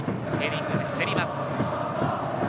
ヘディングで競ります。